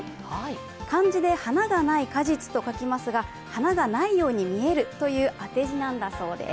漢字で無花果と書きますが、花がないように見えるという当て字なんだそうです。